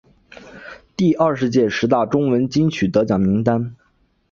第二十届十大中文金曲得奖名单